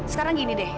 sekarang gini deh